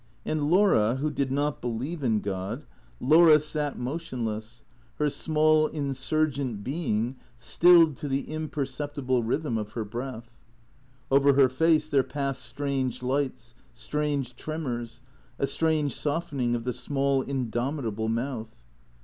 And Laura, who did not believe in God, Laura sat motion less, her small insni'gcnt being stilled to the imperceptible rhythm of her breath. Over her face there passed strange lights, strange tremors, a strange softening of the small indomitable mouth.